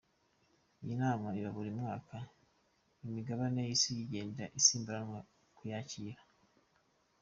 Iyi nama iba buri mwaka, imigabane y’isi ikagenda isimburanwa kuyakira.